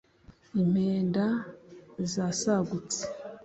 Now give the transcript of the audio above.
Impenda* zasagutse